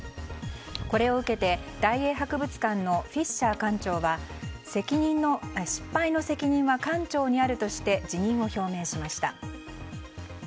これを受けて、大英博物館のフィッシャー館長は失敗の責任は館長にあるとして辞任を表明しました。